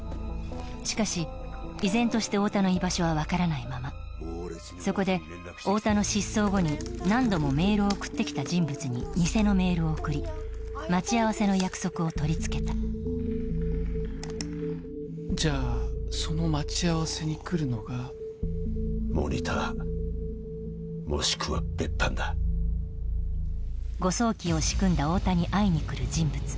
しかし依然として太田の居場所は分からないままそこで太田の失踪後に何度もメールを送ってきた人物にニセのメールを送り待ち合わせの約束を取り付けたじゃあその待ち合わせに来るのがモニターもしくは別班だ誤送金を仕組んだ太田に会いに来る人物